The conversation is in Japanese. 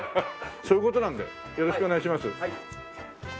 そういう事なんでよろしくお願いします。